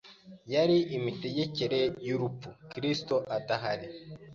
yari imitegekere y’urupfu. Kristo adahari,